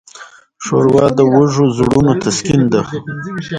ښوروا د وږو زړونو تسکین ده.